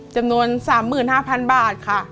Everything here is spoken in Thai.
จำนวน๓๕๐๐๐บาทค่ะ